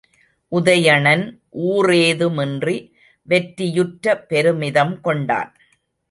உதயணன் ஊறேதுமின்றி வெற்றியுற்ற பெருமிதம் கொண்டான்.